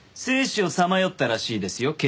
生死をさまよったらしいですよ